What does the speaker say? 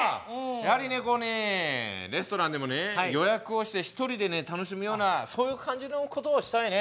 やはりねこうねレストランでもね予約をして一人でね楽しむようなそういう感じのことをしたいね。